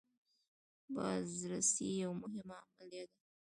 بازرسي یوه مهمه عملیه ده.